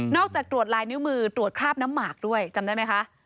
จากตรวจลายนิ้วมือตรวจคราบน้ำหมากด้วยจำได้ไหมคะ